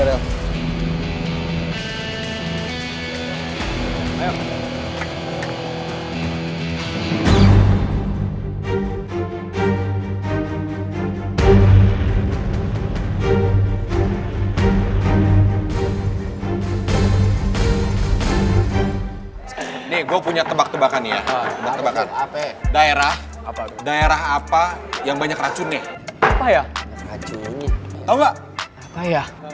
ini gue punya tebak tebakan ya daerah daerah apa yang banyak racunnya